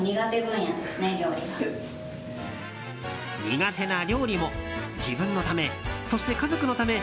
苦手な料理も自分のため、そして家族のため